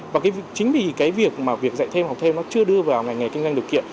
và chính vì cái việc mà việc dạy thêm học thêm nó chưa đưa vào ngành nghề kinh doanh điều kiện